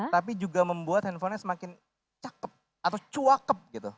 tapi juga membuat handphonenya semakin cakep atau cuakep gitu